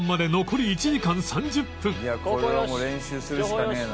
「これはもう練習するしかねえな」